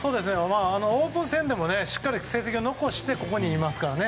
オープン戦でもしっかり成績を残してここにいますからね。